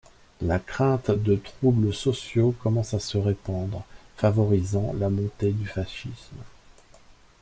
La crainte de troubles sociaux commence à se répandre, favorisant la montée du fascisme.